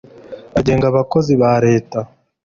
agenga abakozi ba Leta